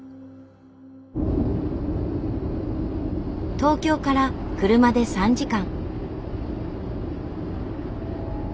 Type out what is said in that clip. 東京から車で３時間。